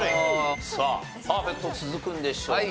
さあパーフェクト続くんでしょうか？